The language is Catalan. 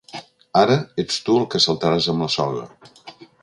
Ara, ets tu el que saltaràs amb la soga.